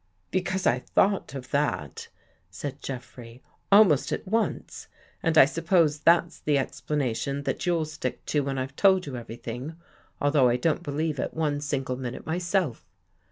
" Because I thought of that," said Jeffrey, " al most at once. And I suppose that's the explanation that you'll stick to when I've told you everything, 38 WHAT JEFFREY SAW although I don't believe it one single minute myself.